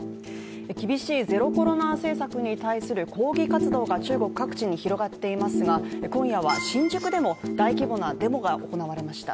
厳しいゼロコロナ政策に対する抗議活動が中国各地に広がっていますが今夜は新宿でも大規模なデモが行われました。